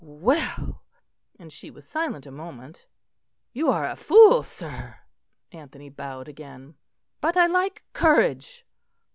"Well " and she was silent a moment, "you are a fool, sir." Anthony bowed again. "But I like courage.